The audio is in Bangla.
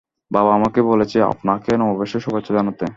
বাবা আমাকে বলেছে আপনাকে নববর্ষের শুভেচ্ছা জানাতে।